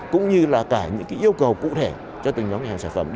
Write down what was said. cũng như là cả những yêu cầu cụ thể cho từng nhóm ngành hàng sản phẩm